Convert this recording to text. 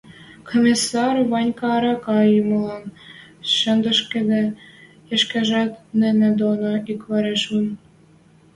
Комиссар Ванька ӓрӓкӓ йӱмӹлӓн шӹдешкӹде, ӹшкежӓт нӹнӹ доно иквӓреш йӱн.